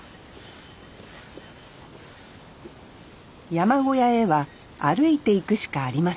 山小屋へは歩いて行くしかありません。